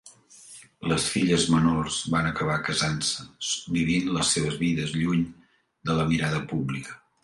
Les filles menors van acabar casant-se, vivint les seves vides lluny de la mirada pública.